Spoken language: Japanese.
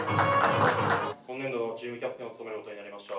今年度のチームキャプテンを務めることになりました。